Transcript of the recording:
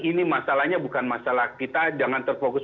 ini masalahnya bukan masalah kita jangan terfokus